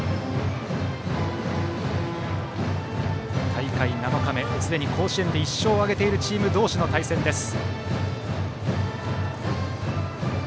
大会７日目、すでに甲子園で１勝を挙げているチーム同士の対戦です。